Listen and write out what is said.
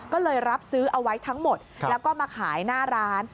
ก็เลยรับซื้อเอาไว้ทั้งหมดแล้วก็มาขายหน้าร้าน